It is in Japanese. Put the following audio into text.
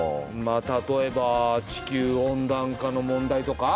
まあ例えば地球温暖化の問題とか？